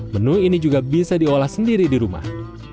menu ini juga bisa diolah sendiri di rumah